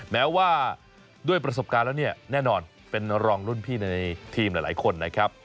แม้ว่าด้วยประสบการณ์แล้วเนี่ยแน่นอนเป็นรองรุ่นพี่ในทีมหลายคนนะครับ